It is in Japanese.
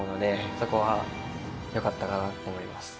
そこはよかったかなと思います。